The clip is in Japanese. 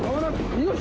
よし。